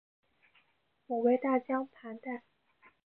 母为大江磐代。